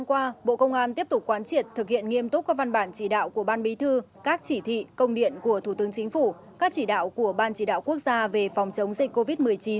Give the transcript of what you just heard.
hôm qua bộ công an tiếp tục quán triệt thực hiện nghiêm túc các văn bản chỉ đạo của ban bí thư các chỉ thị công điện của thủ tướng chính phủ các chỉ đạo của ban chỉ đạo quốc gia về phòng chống dịch covid một mươi chín